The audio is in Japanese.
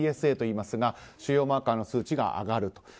ＰＳＡといいますが腫瘍マーカーの数字が上がると。